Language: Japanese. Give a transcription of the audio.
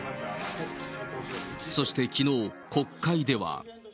そしてきのう、国会では。